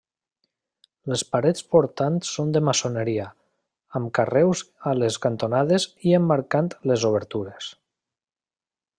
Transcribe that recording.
Les parets portants són de maçoneria, amb carreus a les cantonades i emmarcant les obertures.